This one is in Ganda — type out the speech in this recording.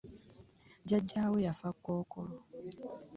Jjaaja we yafa kokolo .